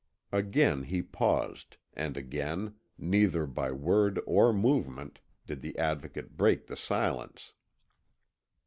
Again he paused, and again, neither by word or movement, did the Advocate break the silence.